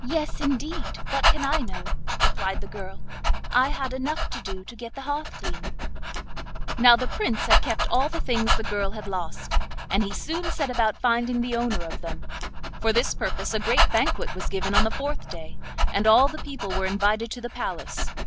'Yes, indeed, what can I know?' replied the girl; 'I had enough to do to get the hearth clean.' Now the Prince had kept all the things the girl had lost, and he soon set about finding the owner of them. For this purpose a great banquet was given on the fourth day, and all the people were invited to the palace.